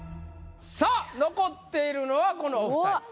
さあ残っているのはこのお二人。